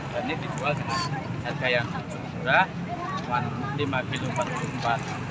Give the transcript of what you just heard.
dan ini dijual dengan harga yang murah rp lima